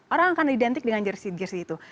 orang akan identik dengan jersi jersi itu